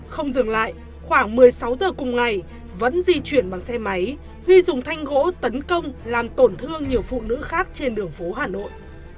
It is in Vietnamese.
không dừng lại khoảng một mươi sáu giờ cùng ngày vẫn di chuyển bằng xe máy huy dùng thanh gỗ tấn công làm tổn thương nhiều phụ nữ khác trên đường phố hà nội